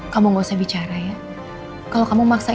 warten sampai aku kemana mana ibu kukak